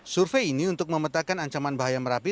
survei ini untuk memetakan ancaman bahaya merapi